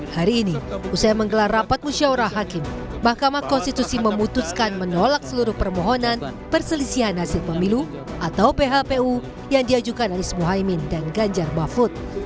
hari ini usai menggelar rapat musyawarah hakim mahkamah konstitusi memutuskan menolak seluruh permohonan perselisihan hasil pemilu atau phpu yang diajukan anies muhaymin dan ganjar mahfud